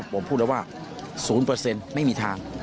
ผมพูดแล้วว่า๐ไม่มีทาง